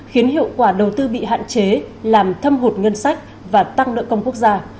khiến hiệu quả đầu tư bị hạn chế làm thâm hụt ngân sách và tăng nợ công quốc gia